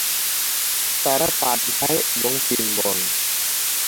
তারা পাঁচ ভাই এবং তিন বোন।